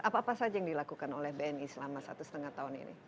apa apa saja yang dilakukan oleh bni selama satu setengah tahun ini